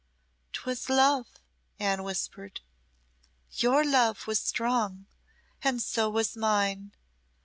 "'Twas love," Anne whispered. "Your love was strong, and so was mine.